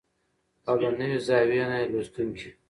او له نوې زاويې نه يې لوستونکي